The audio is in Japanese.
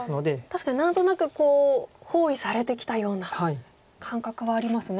確かに何となく包囲されてきたような感覚はありますね。